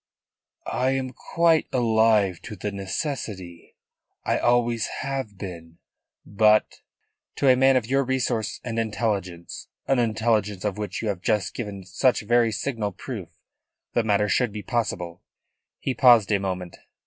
"I am quite alive to the necessity. I always have been. But " "To a man of your resource and intelligence an intelligence of which you have just given such very signal proof the matter should be possible." He paused a moment.